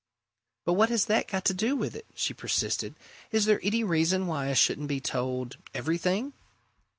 "But what has that got to do with it?" she persisted. "Is there any reason why I shouldn't be told everything?"